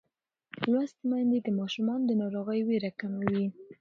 لوستې میندې د ماشوم د ناروغۍ وېره کموي.